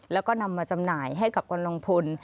แล้วก็นำมาจำหน่ายให้กับวันลุงพล